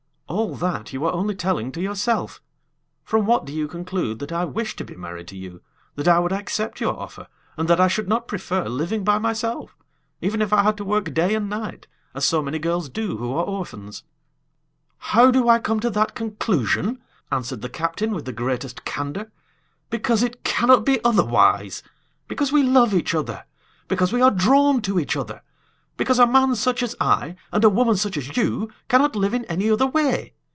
"All that you are only telling to yourself! From what do you conclude that I wish to be married to you; that I would accept your offer, and that I should not prefer living by myself, even if I had to work day and night, as so many girls do who are orphans?" "How do I come to that conclusion?" answered the captain with the greatest candor. "Because it cannot be otherwise. Because we love each other. Because we are drawn to each other. Because a man such as I, and a woman such as you, cannot live in any other way!